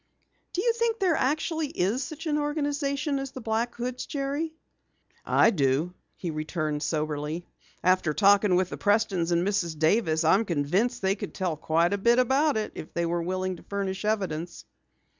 "Do you think there actually is such an organization as the Black Hoods, Jerry?" "I do," he returned soberly. "After talking with the Prestons and Mrs. Davis, I'm convinced they could tell quite a bit about it if they were willing to furnish evidence."